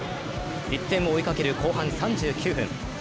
１点を追いかける後半３９分。